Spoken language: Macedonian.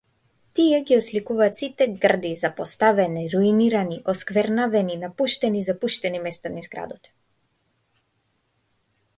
Тие ги отсликуваат сите грди, запоставени, руинирани, осквернавени, напуштени и запуштени места низ градот.